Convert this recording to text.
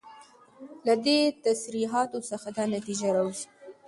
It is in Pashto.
له دي تصريحاتو څخه دا نتيجه راوځي